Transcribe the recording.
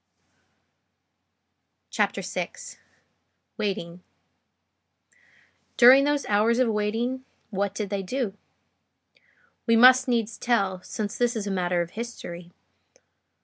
CHAPTER VI—WAITING During those hours of waiting, what did they do? We must needs tell, since this is a matter of history.